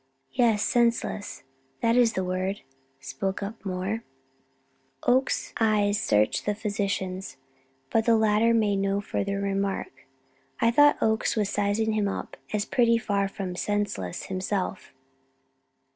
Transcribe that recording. "Yes senseless; that is the word," spoke up Moore. Oakes's eyes searched the physician's, but the latter made no further remark. I thought Oakes was sizing him up as pretty far from "senseless" himself.